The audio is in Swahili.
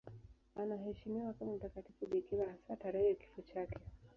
Anaheshimiwa kama mtakatifu bikira, hasa tarehe ya kifo chake.